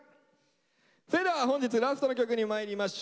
それでは本日ラストの曲にまいりましょう。